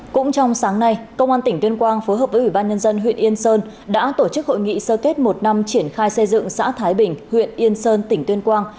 cũng trong sáng nay công an tỉnh tuyên quang phối hợp với ủy ban nhân dân huyện yên sơn đã tổ chức hội nghị sơ kết một năm triển khai xây dựng xã thái bình huyện yên sơn tỉnh tuyên quang